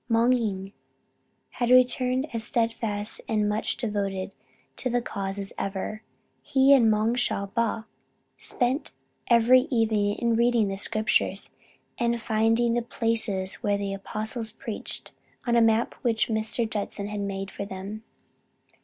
Moung Ing had returned, as steadfast and as much devoted to the cause as ever. He and Moung Shwa ba spend every evening in reading the Scriptures, and finding the places where the apostles preached, on a map which Mr. Judson has made for them.